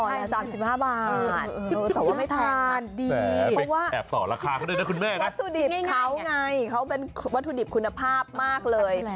ห่อละ๓๕บาทแต่ว่าไม่แพงนะแต่ว่าวัตถุดิบเค้าไงเค้าเป็นวัตถุดิบคุณภาพมากเลย